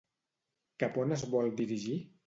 Cap on es vol dirigir?